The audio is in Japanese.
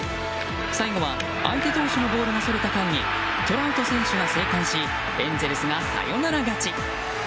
最後は相手投手のボールがそれた間にトラウト選手が生還しエンゼルスがサヨナラ勝ち。